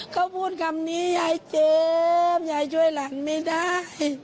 เขาพูดคำนี้ยายเจมส์ยายช่วยหลานไม่ได้